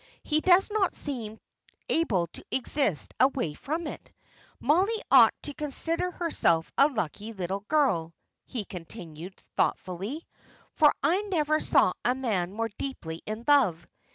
He does not seem able to exist away from it. Mollie ought to consider herself a lucky little girl," he continued, thoughtfully, "for I never saw a man more deeply in love.